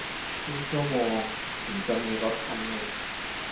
ครึ่งชั่วโมงถึงจะมีรถคันนึง